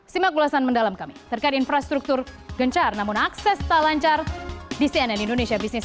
simak ulasan mendalam kami terkait infrastruktur gencar namun akses tak lancar di cnn indonesia business